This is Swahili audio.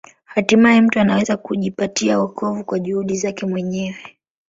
Hatimaye mtu anaweza kujipatia wokovu kwa juhudi zake mwenyewe.